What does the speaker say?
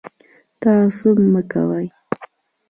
تعصب مه کوئ